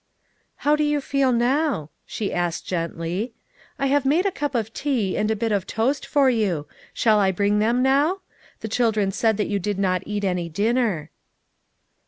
" How do you feel now ?" she asked gently. " I have made a cup of tea and a bit of toast for you. Shall I bring them now ? The chil dren said you did not eat any dinner."